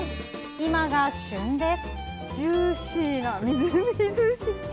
今が旬です。